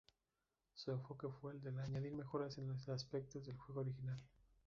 Su enfoque fue el de añadir mejoras en el aspectos del juego original.